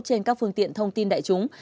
trên các phương tiện thông tin đại chúng